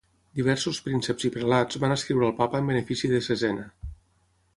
Diversos prínceps i prelats van escriure al Papa en benefici de Cesena.